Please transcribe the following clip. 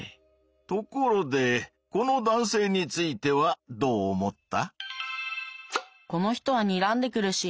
ところでこの男性についてはどう思った？